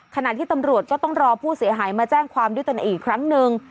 ขณะที่ตำรวจก็ต้องรอผู้เสียหายมาแจ้งความด้วยตนเองอีกครั้งหนึ่ง